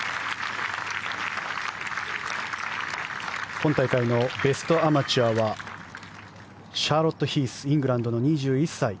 今大会のベストアマチュアはシャーロット・ヒースイングランドの２１歳。